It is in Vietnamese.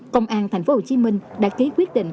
công an tp hcm đã ký quyết định